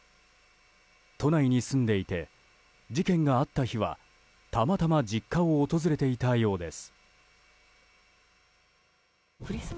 都内に住んでいて事件があった日はたまたま実家を訪れていたようです。